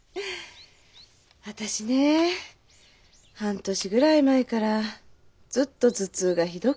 私ね半年ぐらい前からずっと頭痛がひどくてね。